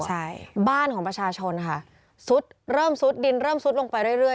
ใช่บ้านของประชาชนค่ะซุดเริ่มซุดดินเริ่มซุดลงไปเรื่อย